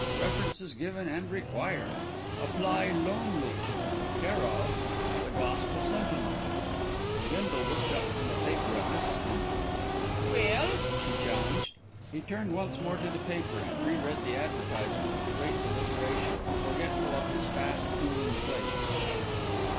References given and required. Apply Lonely, c/o The Gospel Sentinel." Bindle looked up from the paper at Mrs. Bindle. "Well?" she challenged. He turned once more to the paper and re read the advertisement with great deliberation, forgetful of his fast cooling plate.